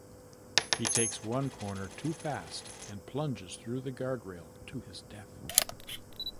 He takes one corner too fast and plunges through the guardrail to his death.